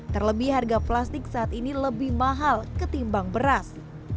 terlebih harga plastik saat ini lebih mahal ketimbang beras